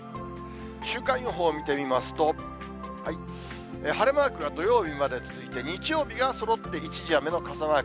週間予報見てみますと、晴れマークが土曜日まで続いて、日曜日がそろって一時雨の傘マーク。